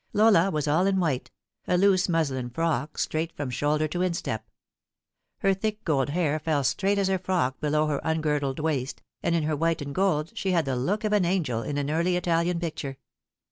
Lola was all in white a loose muslin frock, straight from shoulder to instep. Her thick gold hair fell straight as her frock below her uiigirdk d waist, and, in her white and gold, she had the look of an angel in an early Italian picture.